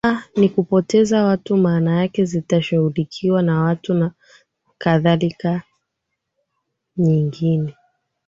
a ni kupoteza watu maanake zitashughulikiwa na watu na kadhalika nyegine